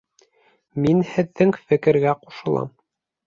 Мин һеҙҙең фекергә ҡушылам